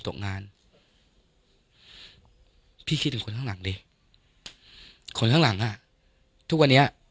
ตกงานพี่คิดถึงคนข้างหลังดิคนข้างหลังอ่ะทุกวันนี้